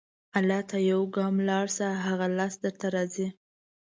الله ته یو ګام لاړ شه، هغه لس درته راځي.